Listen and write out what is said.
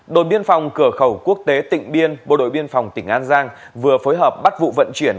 đồn biên phòng cửa khẩu quốc tế tỉnh biên bộ đội biên phòng tỉnh an giang vừa phối hợp bắt vụ vận chuyển